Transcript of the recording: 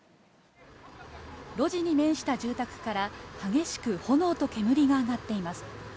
路地に面した住宅から激しく炎と煙が上がっています。